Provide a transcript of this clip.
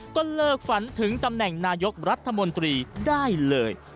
ก็เลิกฝันถึงตำแหน่งนายกรัฐมนตรีได้เลย